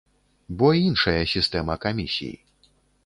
Бо іншая сістэма камісій.